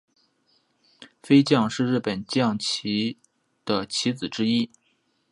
飞将是日本将棋的棋子之一。